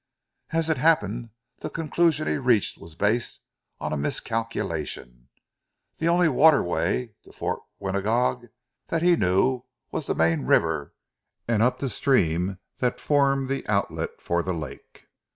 As it happened the conclusion he reached was based on a miscalculation. The only waterway to old Fort Winagog that he knew was from the main river and up the stream that formed the outlet for the lake.